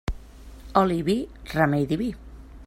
Oli i vi, remei diví.